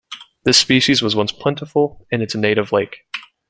This species was once plentiful in its native lake.